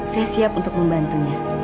saya siap untuk membantunya